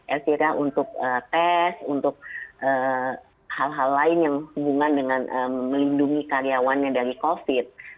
akhirnya untuk tes untuk hal hal lain yang hubungan dengan melindungi karyawannya dari covid